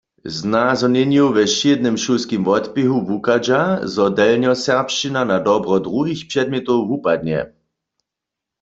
Z nazhonjenjow we wšědnym šulskim wotběhu wuchadźa, zo delnjoserbšćina na dobro druhich předmjetow wupadnje.